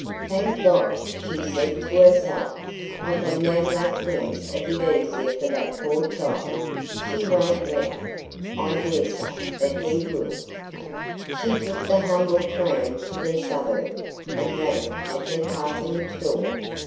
"Thank God," she said to herself, "I can now make things a bit easier for that poor child. She won't let me, I daresay, but he will." She took the humble tram to their suburb, and rang at their parsonage door.